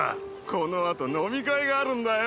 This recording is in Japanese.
このあと飲み会があるんだよ。